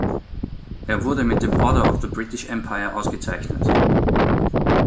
Er wurde mit dem Order of the British Empire ausgezeichnet.